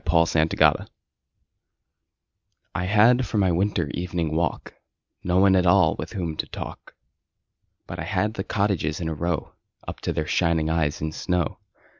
Good Hours I HAD for my winter evening walk No one at all with whom to talk, But I had the cottages in a row Up to their shining eyes in snow.